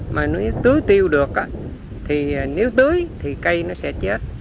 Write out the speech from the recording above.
mà nếu tưới tiêu được thì nếu tưới thì cây nó sẽ chết